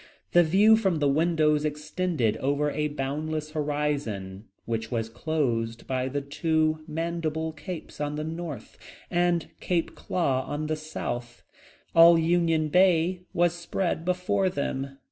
The view from the windows extended over a boundless horizon, which was closed by the two Mandible Capes on the north, and Claw Cape on the south. All Union Bay was spread before them.